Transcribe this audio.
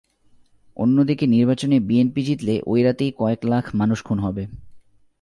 অন্যদিকে নির্বাচনে বিএনপি জিতলে ওই রাতেই কয়েক লাখ মানুষ খুন হবে।